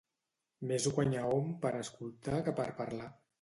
Més guanya hom per escoltar que per parlar.